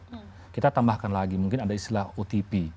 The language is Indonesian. tapi kita juga menambahkan lagi mungkin ada istilah otp